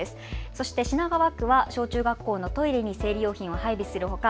そして品川区は小中学校のトイレに生理用品を配備するほか